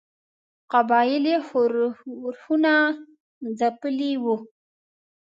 قبایلي ښورښونه ځپلي وه.